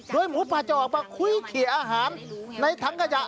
โดยหมูป่าจะออกมาคุยเขียอาหารในถังขยะ